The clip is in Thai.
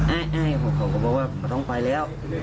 อ้ายเขาก็บอกว่าเราต้องไปแล้ว